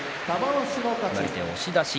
決まり手は押し出し。